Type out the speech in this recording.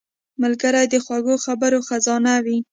ملګری د خوږو خبرو خزانه وي